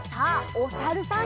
おさるさん。